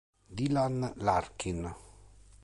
Dylan Larkin